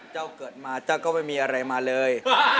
เกิดมาเจ้าก็ไม่มีอะไรมาเลย